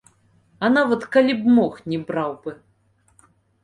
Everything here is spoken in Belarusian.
А нават калі б мог, не браў бы.